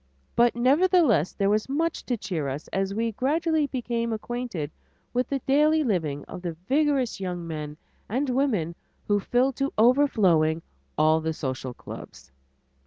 But nevertheless, there was much to cheer us as we gradually became acquainted with the daily living of the vigorous young men and women who filled to overflowing all the social clubs.